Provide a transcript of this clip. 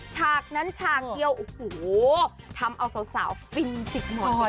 ชากนั้นชากเกี่ยวทำเอาสาวฟินจริงหมด